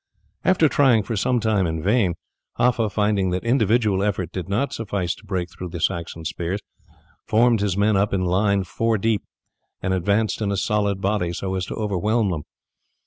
After trying for some time in vain, Haffa, finding that individual effort did not suffice to break through the Saxon spears, formed his men up in line four deep, and advanced in a solid body so as to overwhelm them.